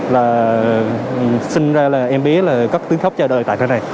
là sinh ra là em bé là có tiếng khóc chờ đợi tại đây này